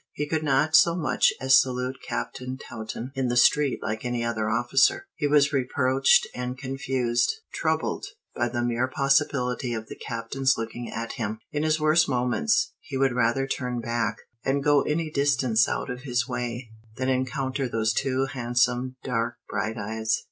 He could not so much as salute Captain Taunton in the street like any other officer. He was reproached and confused, troubled by the mere possibility of the Captain's looking at him. In his worst moments, he would rather turn back, and go any distance out of his way, than encounter those two handsome, dark, bright eyes.